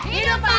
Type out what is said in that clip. hidup pak rt